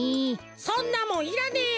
そんなもんいらねえよ。